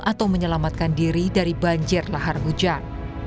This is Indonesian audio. atau menyelamatkan diri dari banjir lahar hujan